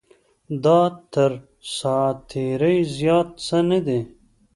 دا تر ساعت تېرۍ زیات څه نه دی.